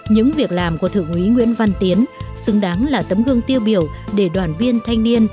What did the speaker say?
những việc làm của thượng úy nguyễn văn tiến xứng đáng là tấm gương tiêu biểu để đoàn viên thanh niên